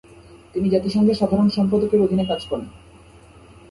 তিনি জাতিসংঘে সাধারণ সম্পাদকের অধীনে কাজ করেন।